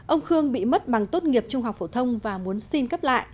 ông khương bị mất bằng tốt nghiệp trung học phổ thông và muốn xin cấp lại